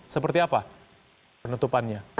seperti apa penutupannya